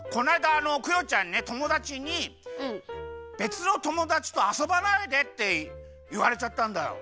あのクヨちゃんねともだちにべつのともだちとあそばないでっていわれちゃったんだよ。